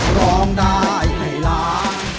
ร้องได้ไข่ราว